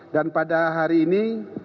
dan pada hari ini